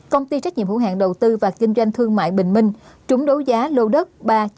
công ty trách nhiệm hữu hạn đầu tư và kinh doanh thương mại bình minh trúng đấu giá lô đất ba